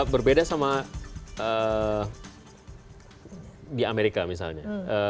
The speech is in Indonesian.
berbeda sama di amerika misalnya